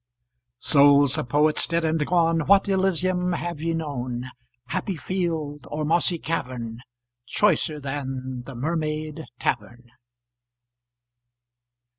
Souls of Poets dead and gone, What Elysium have ye known, Happy field or mossy cavern, Choicer than the Mermaid Tavern?